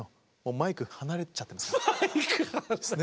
マイク離しちゃってね。